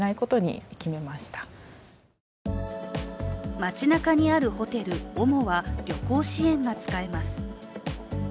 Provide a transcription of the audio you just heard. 街なかにあるホテル・ＯＭＯは旅行支援が使えます。